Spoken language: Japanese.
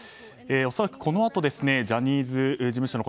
恐らくこのあとジャニーズ事務所の